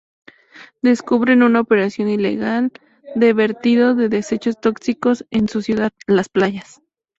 Descubren una operación ilegal de vertido de desechos tóxicos en su ciudad, Las Playas.